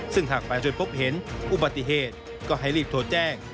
ซึ่งหากไปจนพบเห็นอุบัติเหตุก็ให้รีบโทรแจ้ง